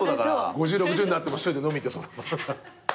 ５０６０になっても１人で飲みに行ってそう。